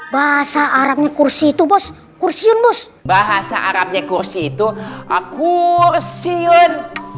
bahasa arabnya kursi itu bos kursiun bos bahasa arabnya kursi itu aku siun